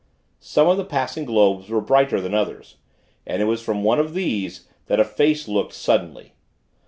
Some of the passing globes were brighter than others; and, it was from one of these, that a face looked, suddenly.